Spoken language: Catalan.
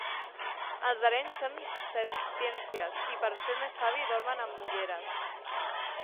Els d'Arenys són setciències i per fer més savi dormen amb ulleres.